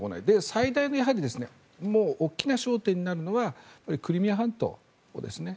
最大の大きな焦点になるのはクリミア半島ですね。